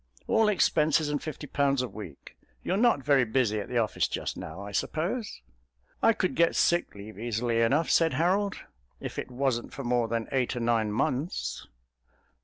All expenses and fifty pounds a week. You're not very busy at the office just now, I suppose?" "I could get sick leave easily enough," said Harold, "if it wasn't for more than eight or nine months."